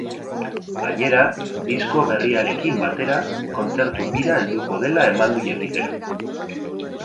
Gainera, disko berriarekin batera, kontzertu bira helduko dela eman du jakitera.